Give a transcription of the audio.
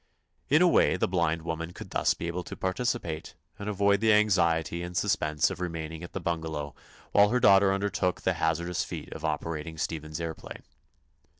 In a way the blind woman would thus be able to participate and avoid the anxiety and suspense of remaining at the bungalow while her daughter undertook the hazardous feat of operating Stephen's aëroplane.